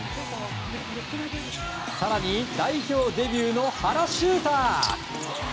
更に、代表デビューの原修太。